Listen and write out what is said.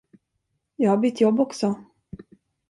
Jag har bytt jobb också.